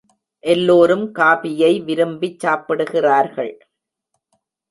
எல்லோரும் காபியை விரும்பிச் சாப்பிடுகிறார்கள்.